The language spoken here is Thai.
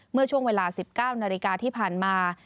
เมื่อช่วงเวลา๑๙นาฬิกาที่ผ่านมา